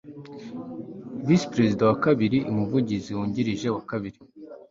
visi perezida wa kabiri umuvugizi wungirije wa kabiri